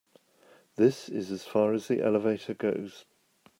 This is as far as the elevator goes.